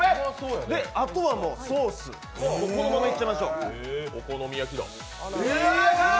あとはソース、このままいっちゃいましょう。